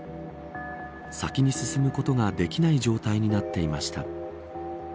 先に進むことができない状況になっています。